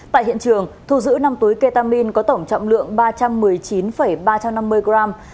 tại hiện trường thu giữ năm túi ketamin có tổng trọng lượng ba trăm một mươi chín ba trăm năm mươi gram